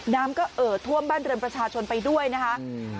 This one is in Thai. น้ำก็เอ่อท่วมบ้านเรือนประชาชนไปด้วยนะคะอืม